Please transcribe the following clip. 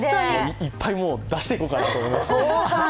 いっぱい出していこうかなと思いまして。